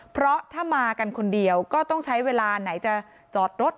เพราะถ้ามากันคนเดียวก็ต้องใช้เวลาไหนจะจอดรถ